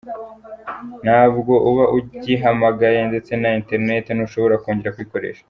Ntabwo uba ugihamagaye ndetse na internet ntushobora kongera kuyikoresha.